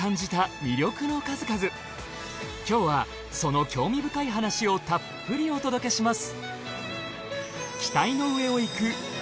今日はその興味深い話をたっぷりお届けします。